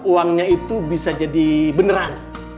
uangnya itu bisa jadi beneran